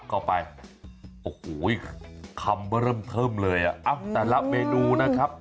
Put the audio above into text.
ข้างบัวแห่งสันยินดีต้อนรับทุกท่านนะครับ